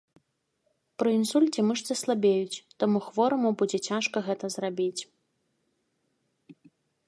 Пры інсульце мышцы слабеюць, таму хвораму будзе цяжка гэта зрабіць.